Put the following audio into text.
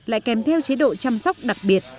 lại kèm theo chế độ chăm sóc đặc biệt